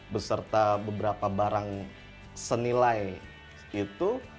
beserta beberapa barang senilai itu